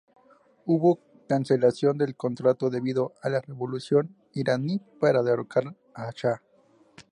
Hubo cancelación del contrato debido a la revolución iraní para derrocar al Sha.